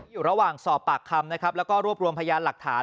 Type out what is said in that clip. อยู่ระหว่างสอบปากคำเรียบรวมพยายามหลักฐาน